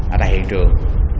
ở tại hiện trường